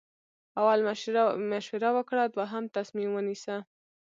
اول مشوره وکړه دوهم تصمیم ونیسه.